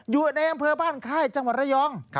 อยู่ในอำเภอบ้านค่ายจังหวัดระยอง